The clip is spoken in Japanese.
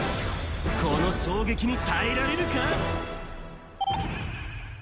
この衝撃に耐えられるか？